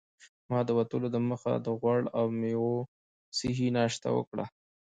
ما د وتلو دمخه د غوړ او میوو صحي ناشته وکړه.